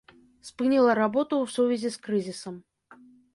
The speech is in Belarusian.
Спыніла работу ў сувязі з крызісам.